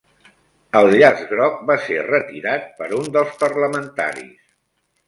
El llaç groc va ser retirat per un dels parlamentaris